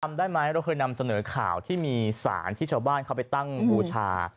จำได้ไหมเราเคยนำเสนอข่าวที่มีสารที่ชาวบ้านเขาไปตั้งบูชา